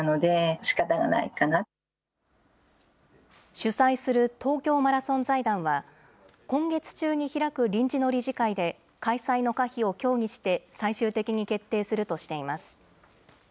主催する東京マラソン財団は、今月中に開く臨時の理事会で開催の可否を協議して、最終的に決定するとしています。